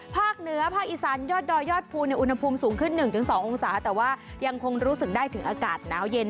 ภาคเหนือภาคอีสานยอดดอยยอดภูมิอุณหภูมิสูงขึ้น๑๒องศาแต่ว่ายังคงรู้สึกได้ถึงอากาศหนาวเย็น